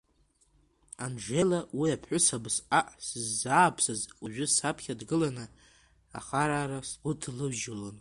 Анжела уи иԥҳәыс абысҟак сыззааԥсаз уажәы саԥхьа дгыланы ахарара сгәыдлыжьлон.